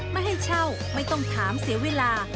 ไม่ให้เช่าไม่ต้องถามเสียเวลา